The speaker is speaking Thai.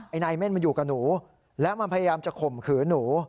นายเม่นมันอยู่กับหนูแล้วมันพยายามจะข่มขืนหนู